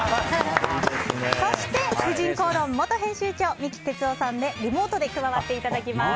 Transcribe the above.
そして、「婦人公論」元編集長三木哲男さんにリモートで加わっていただきます。